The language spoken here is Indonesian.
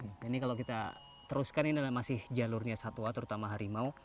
ini kalau kita teruskan ini masih jalurnya satwa terutama harimau